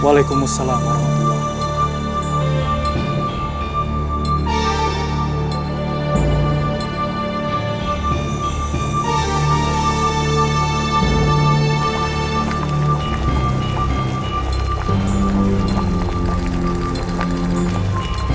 waalaikumussalam warahmatullahi wabarakatuh